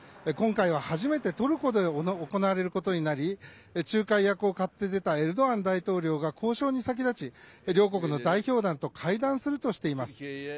今回は初めてトルコで行われることになり仲介役を買って出たエルドアン大統領が交渉に先立ち両国の代表団と会談するとしています。